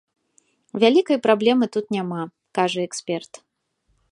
Вялікай праблемы тут няма, кажа эксперт.